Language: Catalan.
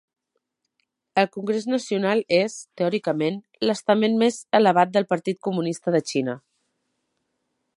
El Congrés Nacional és, teòricament, l'estament més elevat del Partit Comunista de la Xina.